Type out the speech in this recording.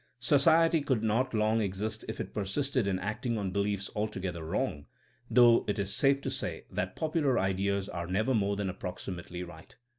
Society could not long exist if it persisted in acting on beliefs altogether wrong, though it is safe to say that popular ideas are never more than approximately right.